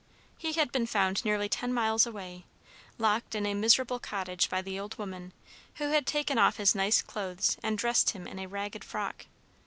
He had been found nearly ten miles away, locked in a miserable cottage by the old woman, who had taken off his nice clothes and dressed him in a ragged frock.